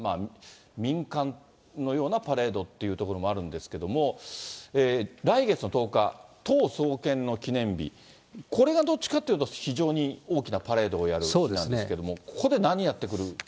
民間のようなパレードというところもあるんですけれども、来月の１０日、党創建の記念日、これがどっちかっていうと非常に大きなパレードをやる日なんですけれども、ここで何やってくるかですよね。